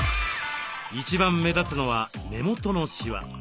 一番目立つのは目元のしわ。